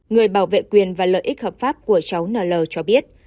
người bảo vệ quyền và lợi ích hợp pháp của cháu n l cho biết